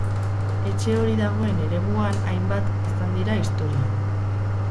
Etxe hori dagoen eremuan hainbat izan dira, historian.